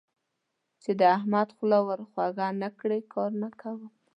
چې د احمد خوله ور خوږه نه کړې؛ کار نه کوي.